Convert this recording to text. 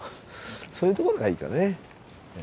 そういう所がいいかね。